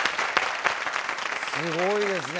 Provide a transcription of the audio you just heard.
すごいですね。